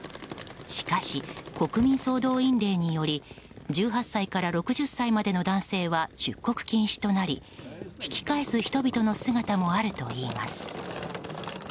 しかし、国民総動員令により１８歳から６０歳までの男性は出国禁止となり引き返す人々の姿もあるといいます。